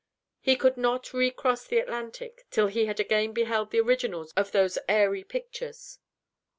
He could not recross the Atlantic, till he had again beheld the originals of those airy pictures.